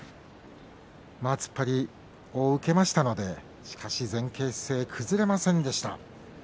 突っ張りを受けましたけれども最後まで前傾姿勢は崩れませんでした。